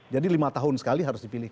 jadi lima tahun sekali harus dipilih